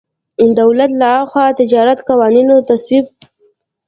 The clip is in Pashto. دولت له خوا د تجارتي قوانینو تصویب.